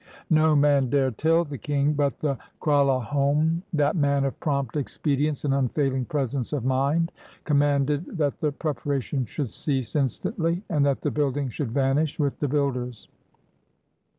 No man dared tell the king. But the Kralahome — that man of prompt expedients and unfailing presence of mind — commanded that the preparation should cease instantly, and that the building should vanish with the builders.